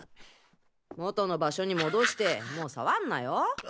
元の場所に戻してもう触んなよ。